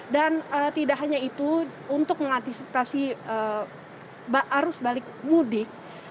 dan tidak hanya itu untuk mengantisipasi arus balik mudik